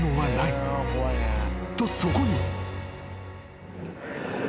［とそこに］